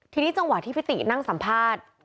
ทีนี้จังหวะที่พี่ตินั่งสัมภาษณ์